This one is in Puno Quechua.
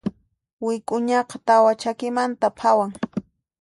Wik'uñaqa tawa chakimanta phawan.